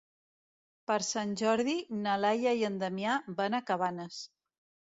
Per Sant Jordi na Laia i en Damià van a Cabanes.